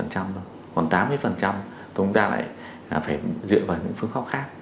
còn tám mươi tổn thương ta lại phải dựa vào những phương pháp khác